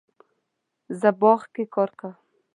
زه باغ کې کار کوم